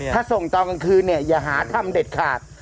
ถ้าส่งตอนกลางคืนเนี่ยอย่าหาทำเด็ดขาด